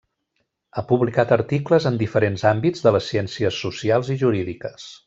Ha publicat articles en diferents àmbits de les ciències socials i jurídiques.